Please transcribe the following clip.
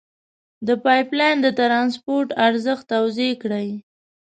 د پایپ لین د ترانسپورت ارزښت توضیع کړئ.